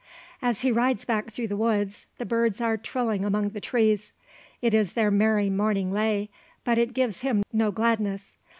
As he rides back through the woods, the birds are trilling among the trees. It is their merry morning lay, but it gives him no gladness.